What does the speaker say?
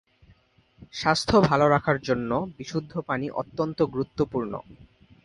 স্বাস্থ্য ভাল রাখার জন্য বিশুদ্ধ পানি অত্যন্ত গুরুত্ব পূর্ণ।